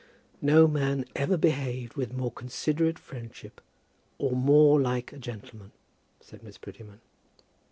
"No man ever behaved with more considerate friendship, or more like a gentleman," said Miss Prettyman.